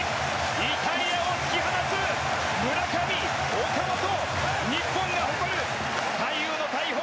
イタリアを突き放す村上、岡本日本が誇る左右の大砲